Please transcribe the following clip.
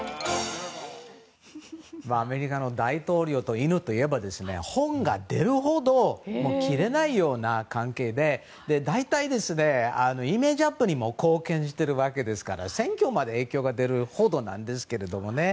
アメリカの大統領と犬といえば本が出るほど切れないような関係で大体、イメージアップにも貢献してるわけですから選挙にまで影響が出るほどなんですけどね。